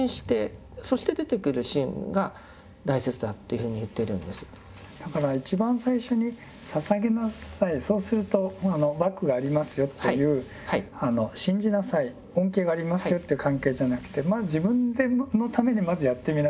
それに対してだから一番最初に捧げなさいそうするとバックがありますよという信じなさい恩恵がありますよという関係じゃなくて自分のためにまずやってみなさい。